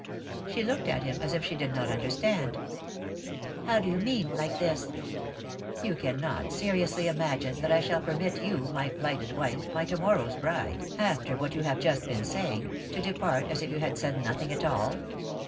She looked at him as if she did not understand. " How do you mean — like this ?"" You cannot seriously imagine that I shall permit you, my plighted wife, my to morrow's bride, after 300 3i 9 iii^d by Google THE INTERRUPTED KISS what you have just been saying, to depart as if you had said nothing at all."